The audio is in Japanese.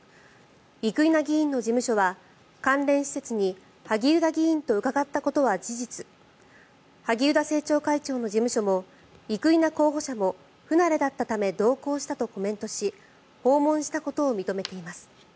生稲議員の事務所は関連施設に萩生田議員と伺ったことは事実萩生田政調会長の事務所も生稲候補者も不慣れだったため同行したとコメントし訪問したことを認めています。